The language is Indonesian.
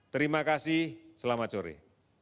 terima kasih selamat sore